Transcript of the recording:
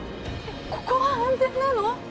ここは安全なの？